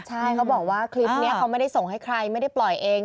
ใช่เขาบอกว่าคลิปนี้เขาไม่ได้ส่งให้ใครไม่ได้ปล่อยเอง